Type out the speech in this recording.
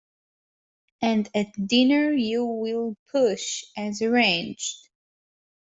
And at dinner you will push, as arranged?